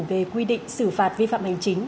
về quy định xử phạt vi phạm hành chính